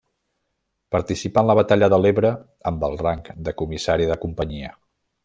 Participà en la batalla de l'Ebre amb el rang de Comissari de Companyia.